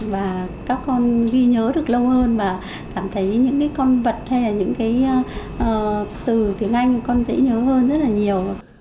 và các con ghi nhớ được lâu hơn và cảm thấy những con vật hay từ tiếng anh con sẽ nhớ hơn rất nhiều